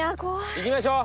いきましょう！